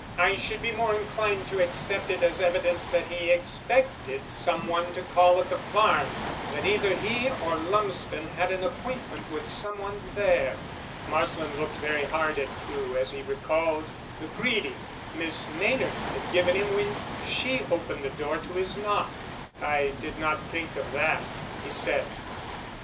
"I should be more inclined to accept it as evidence that he expected some one to call at the farm that either he or Lumsden had an appointment with some one there." Marsland looked very hard at Crewe as he recalled the greeting Miss Maynard had given him when she opened the door to his knock. "I did not think of that," he said.